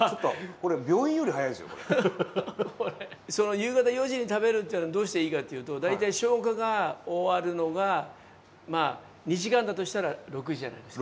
夕方４時に食べるっていうのはどうしていいかっていうと大体消化が終わるのがまあ２時間だとしたら６時じゃないですか。